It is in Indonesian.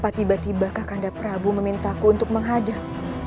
kenapa tiba tiba kakanda prabu memintaku untuk menghadap